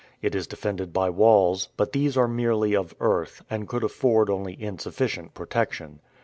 It is defended by walls, but these are merely of earth, and could afford only insufficient protection.